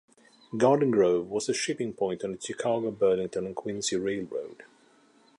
Garden Grove was a shipping point on the Chicago, Burlington and Quincy Railroad.